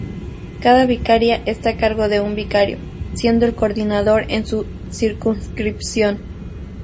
Cada vicaria está a cargo de un vicario, siendo el coordinador en su circunscripción.